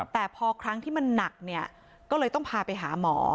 แต่พอครั้งที่มันหนักเนี่ยก็เลยต้องพาไปหาหมอ